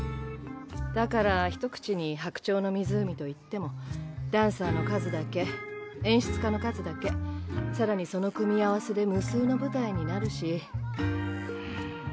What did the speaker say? だからひと口に「白鳥の湖」といってもダンサーの数だけ演出家の数だけ更にその組み合わせで無数の舞台になるし。